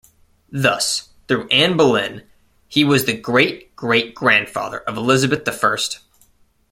Thus, through Anne Boleyn, he was the great-great-grandfather of Elizabeth the First.